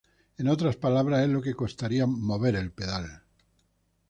En otras palabras, es lo que "costaría" mover el pedal.